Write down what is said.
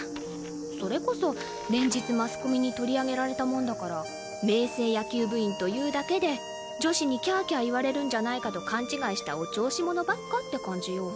それこそ連日マスコミに取り上げられたもんだから明青野球部員というだけで女子にキャーキャー言われるんじゃないかと勘違いしたお調子者ばっかって感じよ。